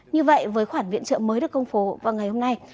như vậy với khoản viện trợ mới được công phố vào ngày hôm nay